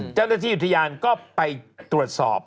เจ้าหน้าที่อุทยานก็ไปตรวจสอบ